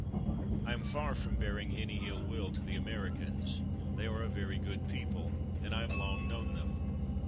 I am far from bearing any ill will to the Americans; they are a very good people, and I have long known them.